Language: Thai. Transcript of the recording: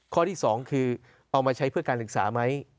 ข้อที่๒คือเอามาใช้เพื่อการศึกษาไหม